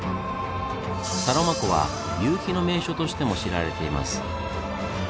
サロマ湖は夕日の名所としても知られています。